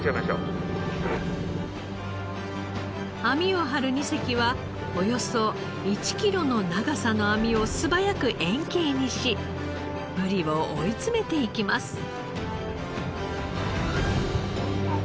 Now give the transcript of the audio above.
「４５」網を張る２隻はおよそ１キロの長さの網を素早く円形にしブリを追い詰めていきます。